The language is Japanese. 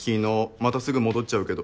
またすぐ戻っちゃうけど。